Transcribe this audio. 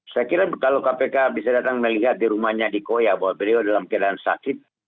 saya kira kalau kpk bisa datang melihat di rumahnya di koya bahwa beliau dalam keadaan sakit